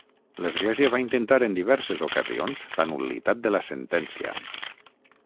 L'Església va intentar en diverses ocasions la nul·litat de la sentència.